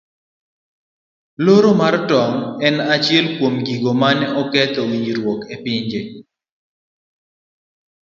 Loro mar tong' en achiel kuom gigo mane oketho winjruok mar pinje.